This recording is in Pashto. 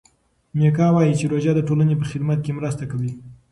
میکا وايي چې روژه د ټولنې په خدمت کې مرسته کوي.